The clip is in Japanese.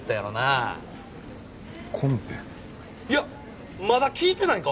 いやまだ聞いてないんか！？